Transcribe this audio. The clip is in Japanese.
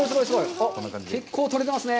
結構取れてますね。